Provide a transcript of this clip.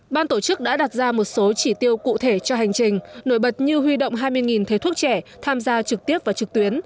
ban tổ chức đã đặt ra một số chỉ tiêu cụ thể cho hành trình nổi bật như huy động hai mươi thầy thuốc trẻ tham gia trực tiếp và trực tuyến